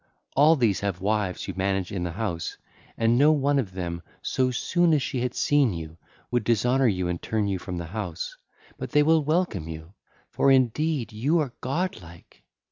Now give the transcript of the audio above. All these have wives who manage in the house, and no one of them, so soon as she has seen you, would dishonour you and turn you from the house, but they will welcome you; for indeed you are godlike.